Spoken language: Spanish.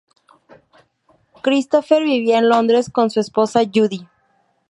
Christopher vivía en Londres con su esposa Judy.